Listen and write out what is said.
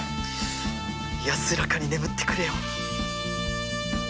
安らかに眠ってくれよ。